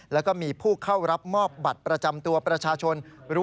แล้วก็มีผู้เข้ารับมอบบัตรประจำตัวประชาชน